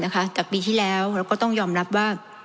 จากปีที่แล้วเราก็ต้องยอมรับว่า